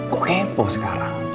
gue kepo sekarang